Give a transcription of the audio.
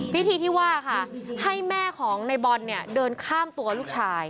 พิธีที่ว่าค่ะให้แม่ของในบอลเนี่ยเดินข้ามตัวลูกชาย